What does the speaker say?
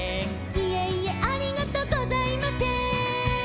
「いえいえありがとうございませーん」